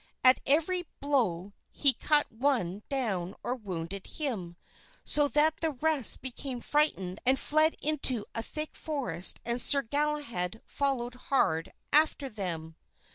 At every blow he cut one down or wounded him, so that the rest became frightened and fled into a thick forest and Sir Galahad followed hard after them.